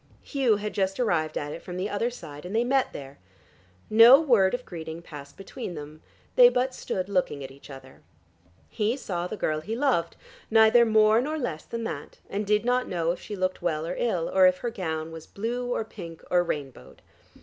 Hugh had just arrived at it from the other side, and they met there. No word of greeting passed between them; they but stood looking at each other. He saw the girl he loved, neither more nor less than that, and did not know if she looked well or ill, or if her gown was blue or pink or rainbowed.